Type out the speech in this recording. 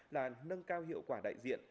là nâng cao hiệu quả đại diện